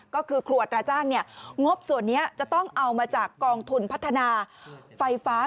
ก็คือครัวอัตราจ้างงบส่วนนี้จะต้องเอามาจากกองทุนพัฒนาไฟฟ้า